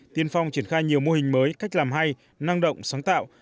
tiên phong triển khai nhiều mô hình mới cách làm hay năng động sáng tạo